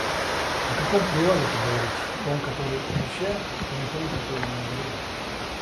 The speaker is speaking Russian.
О каком привале ты говоришь: том, который у ручья или том, который на горе?